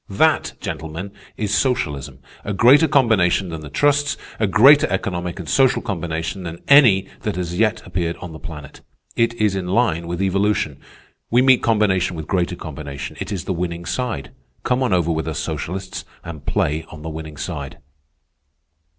That, gentlemen, is socialism, a greater combination than the trusts, a greater economic and social combination than any that has as yet appeared on the planet. It is in line with evolution. We meet combination with greater combination. It is the winning side. Come on over with us socialists and play on the winning side."